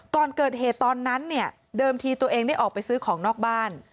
ก่อนเกิดเหตุตอนนั้นเนี่ยเดิมทีตัวเองได้ออกไปซื้อของนอกบ้าน